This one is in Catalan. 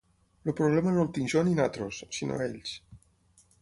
El problema no el tinc jo ni nosaltres, sinó ells.